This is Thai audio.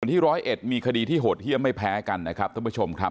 วันที่๑๐๑มีคดีที่หดเยี่ยมไม่แพ้กันนะครับทุกผู้ชมครับ